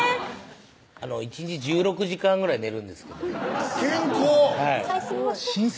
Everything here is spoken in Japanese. １日１６時間ぐらい寝るんですけど健康すいません